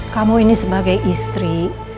kamu ini sebagai istri